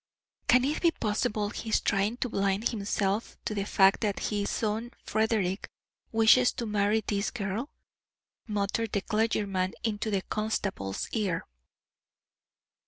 "Can it be possible he is trying to blind himself to the fact that his son Frederick wishes to marry this girl?" muttered the clergyman into the constable's ear.